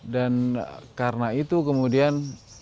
dan karena itu kemudian